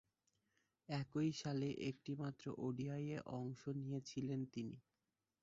একই সালে একটিমাত্র ওডিআইয়ে অংশ নিয়েছেন তিনি।